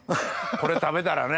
これ食べたらね。